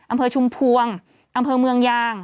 อำเภอชุมพวงอำเภอเมืองยาง